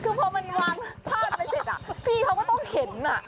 ใช่คือพอมันวางพาดไปเสร็จอ่ะพี่เขาก็ต้องเข็นอ่ะ